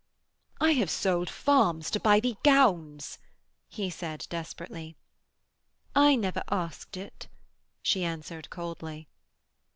'I have sold farms to buy thee gowns,' he said desperately. 'I never asked it,' she answered coldly.